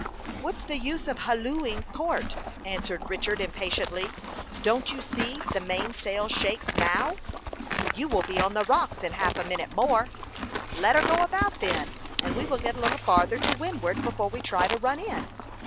"What's the use of hallooing port?" answered Richard, impatiently. "Don't you see the mainsail shakes now?" "You will be on the rocks in half a minute more." "Let her go about, then, and we will get a little farther to windward before we try to run in."